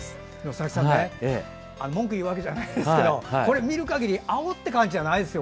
佐々木さん、文句を言うわけじゃないんですけどこれ見る限り青って感じじゃないですよ。